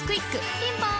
ピンポーン